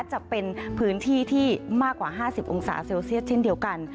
จะเป็นพื้นที่ที่มากกว่า๕๐องศาเซลเซียสเช่นเดียวกัน